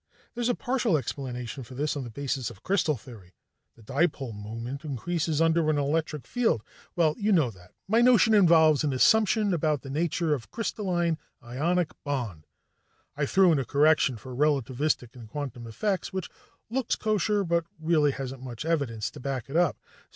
There's a partial explanation for this on the basis of crystal theory, the dipole moment increases under an electric field.... Well, you know all that. My notion involves an assumption about the nature of the crystalline ionic bond; I threw in a correction for relativistic and quantum effects which looks kosher but really hasn't much evidence to back it up.